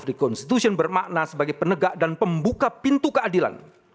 guardian of the constitution bermakna sebagai penegak dan pembuka pintu keadilan